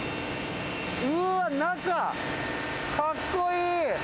うわっ、中、かっこいい。